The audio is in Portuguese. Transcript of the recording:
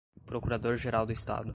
procurador-geral do Estado